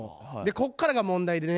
こっからが問題でね